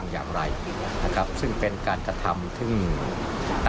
อย่างนักการพันธ์